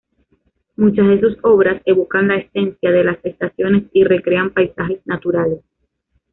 Muchas de sus obras evocan la esencia de las estaciones y recrean paisajes naturales.